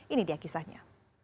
ini dia kisahnya